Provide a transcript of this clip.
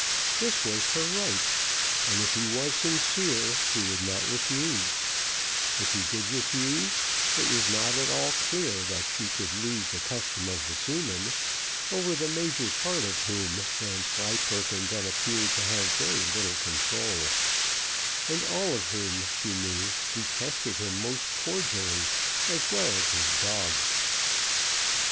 This was her right, and if he was sincere, he would not refuse; if he did refuse, it was not at all clear that she should lose the custom of the seamen, over the major part of whom Vanslyperken then appeared to have very little control; and all of whom, she knew, detested him most cordially, as well as his dog.